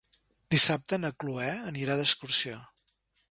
Dissabte na Cloè anirà d'excursió.